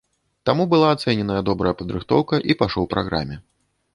Таму была ацэненая добрая падрыхтоўка і па шоу-праграме.